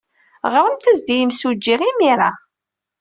Ɣremt-as-d i yemsujji imir-a.